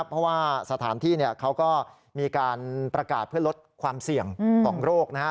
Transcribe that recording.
เพราะว่าสถานที่เขาก็มีการประกาศเพื่อลดความเสี่ยงของโรคนะฮะ